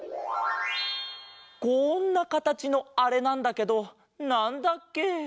こんなかたちのあれなんだけどなんだっけ？